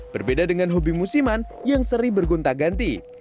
berbeda dengan hobi musiman yang seri bergonta ganti